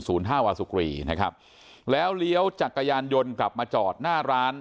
ท่าวาสุกรีนะครับแล้วเลี้ยวจักรยานยนต์กลับมาจอดหน้าร้าน